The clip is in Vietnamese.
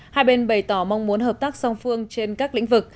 hai bên bày tỏ mong muốn hợp tác song phương trên các lĩnh vực